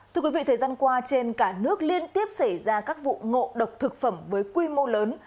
thưa quý vị thời gian qua trên cả nước liên tiếp xảy ra các vụ ngộ độc thực phẩm với quy mô lớn